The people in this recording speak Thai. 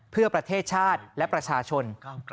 เพื่อประเทศชาติและประชาชน